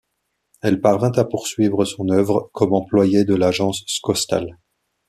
Elle parvint à poursuivre son œuvre comme employée de l'Agence Schostal.